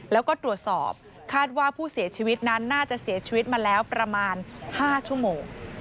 แล้วก็ตรวจสอบคาดว่าผู้เสียชีวิตนั้นน่าจะเสียชีวิตมาแล้วประมาณ๕ชั่วโมง